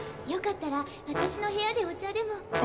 よかったら私の部屋でお茶でも。